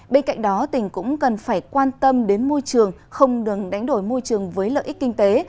bên cạnh đó tỉnh cũng cần phải quan tâm đến môi trường không đừng đánh đổi môi trường với lợi ích kinh tế